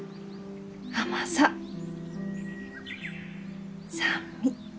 甘さ酸味。